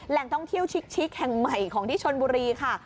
แหล่งท่องเที่ยวชิคแห่งใหม่ของที่ชนบุรีค่ะ